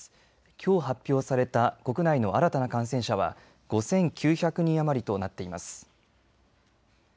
きょう発表された国内の新たな感染者は５９００人余りとなっています。